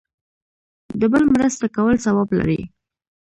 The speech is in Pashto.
د بل مرسته کول ثواب لري